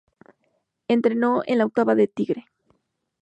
Entrenó en la octava de Tigre.